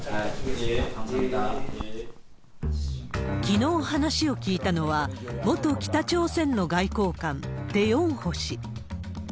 きのう、話を聞いたのは、元北朝鮮の外交官、テ・ヨンホ氏。